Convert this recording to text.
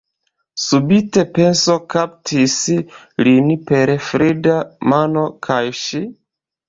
Subite penso kaptis lin per frida mano: kaj ŝi?